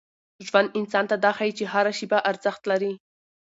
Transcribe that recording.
ژوند انسان ته دا ښيي چي هره شېبه ارزښت لري.